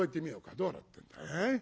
どうなってんだ？